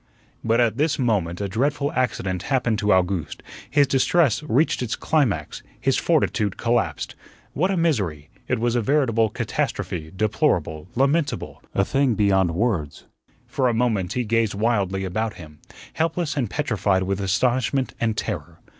But at this moment a dreadful accident happened to Owgooste; his distress reached its climax; his fortitude collapsed. What a misery! It was a veritable catastrophe, deplorable, lamentable, a thing beyond words! For a moment he gazed wildly about him, helpless and petrified with astonishment and terror.